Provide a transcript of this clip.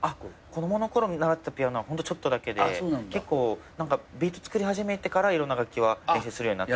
子供のころ習ってたピアノはホントちょっとだけで結構ビート作り始めてからいろんな楽器は練習するようになって。